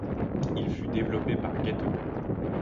Il fut développé par Gateway.